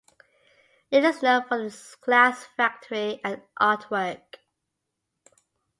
It is known for its glass factory and artwork.